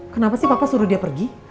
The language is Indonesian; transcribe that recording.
kenapa sih papa suruh dia pergi